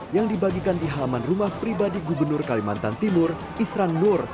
yang dibagikan di halaman rumah pribadi gubernur kalimantan timur isran nur